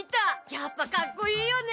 やっぱかっこいいよね！